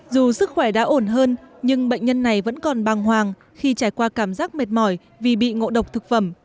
dù sức khỏe đã ổn hơn nhưng bệnh nhân này vẫn còn bàng hoàng khi trải qua cảm giác mệt mỏi vì bị ngộ độc thực phẩm